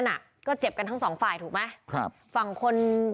ตัดจบกันทำสองฝ่ายถูกมั้ย